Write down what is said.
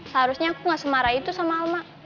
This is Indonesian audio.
seharusnya aku gak semara itu sama alma